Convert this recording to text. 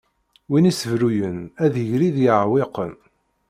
Win issebruyen ad d-igri deg iɛwiqen.